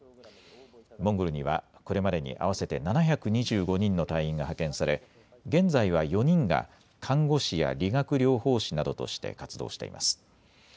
モンゴルにはこれまでに合わせて７２５人の隊員が派遣され、現在は４人が看護師や理学療法士などとして活動しています。